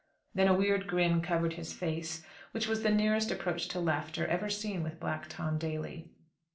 Then a weird grin covered his face; which was the nearest approach to laughter ever seen with Black Tom Daly.